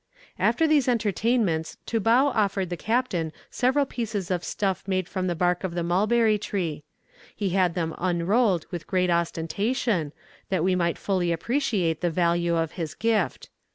"After these entertainments Toubau offered the captain several pieces of stuff made from the bark of the mulberry tree. He had them unrolled with great ostentation, that we might fully appreciate the value of his gift.